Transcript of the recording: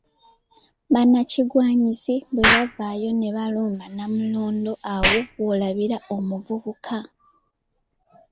Bannakigwanyizi bwebavaayo nebalumba Namulondo awo woolabira omuvubuka.